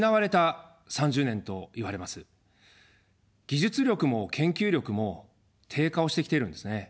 技術力も研究力も低下をしてきているんですね。